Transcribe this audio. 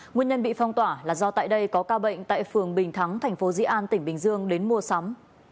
nguyên nhân bị phong tỏa là do tại đây có ca bệnh tại phường bình thắng tp di an tỉnh bình dương đến mua sắm